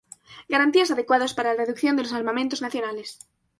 Garantías adecuadas para la reducción de los armamentos nacionales.